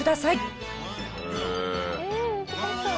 ええ難しそう。